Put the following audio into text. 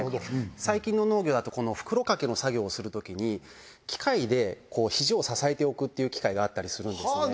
最近の農業だと袋かけの作業をするときに機械でヒジを支えておくっていう機械があったりするんですね。